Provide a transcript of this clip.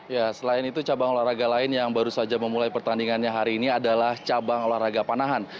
ya selain itu cabang olahraga lain yang baru saja memulai pertandingannya hari ini adalah cabang olahraga panahan